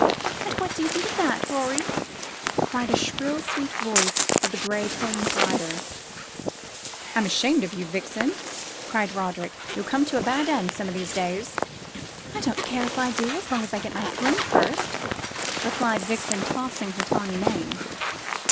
"What do you think of that, Rorie?" cried the shrill sweet voice of the gray pony's rider! "I'm ashamed of you, Vixen," said Roderick, "you'll come to a bad end some of these days." "I don't care if I do, as long as I get my fling first," replied Vixen, tossing her tawny mane.